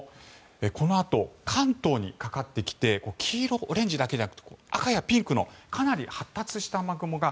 このあと関東にかかってきて黄色、オレンジだけじゃなくて赤やピンクのかなり発達した雨雲が